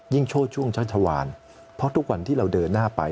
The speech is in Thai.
โชดช่วงชัชวานเพราะทุกวันที่เราเดินหน้าไป